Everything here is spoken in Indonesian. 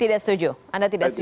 tidak setuju anda tidak setuju